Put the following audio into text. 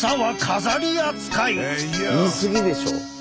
言い過ぎでしょ。